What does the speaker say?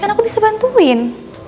kan aku bisa bantuin